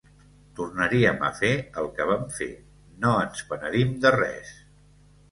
Tornaríem a fer el que vam fer, no ens penedim de res.